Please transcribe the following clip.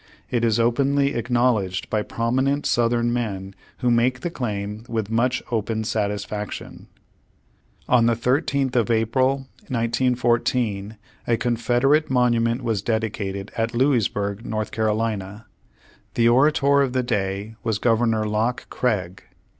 It is openly acknowledged by prominent Southern men who make the claim with much open satisfaction. On the 13th of April, 1914, a Confederate mon ument was dedicated at Louisburg , N. C. The orator of the day was Governor Locke Craig.